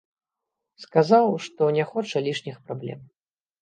Сказаў, што не хоча лішніх праблем.